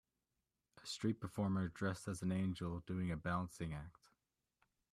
A street performer dressed as an angel doing a balancing act.